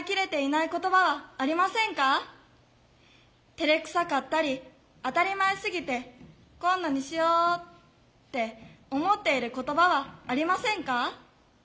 てれくさかったり当たり前すぎて今度にしようって思っている言葉はありませんか？